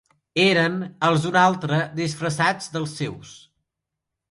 Eren els d’un altre disfressats dels seus.